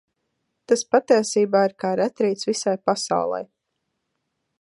Tas patiesībā ir kā retrīts visai pasaulei.